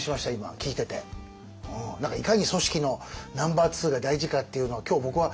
何かいかに組織のナンバーツーが大事かっていうのを今日僕は。